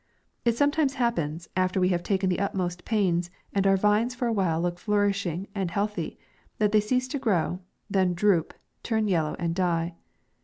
n It sometimes happens, after we have taken the utmost pains, and our vines for a while look flourishing and healthy, that they cease to grow, then droop, turn yellow, and die.